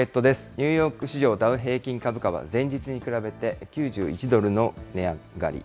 ニューヨーク市場、ダウ平均株価は前日に比べて９１ドルの値上がり。